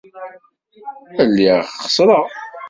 Lliɣ xeṣṣreɣ.